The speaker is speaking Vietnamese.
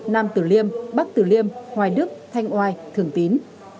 nam tử liêm bắc tử liêm hoài đức thanh oai thường tín